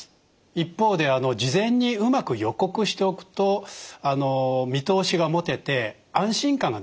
一方で事前にうまく予告しておくと見通しが持てて安心感が出るんですね。